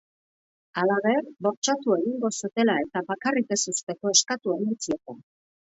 Halaber, bortxatu egingo zutela eta bakarrik ez uzteko eskatu omen zieten.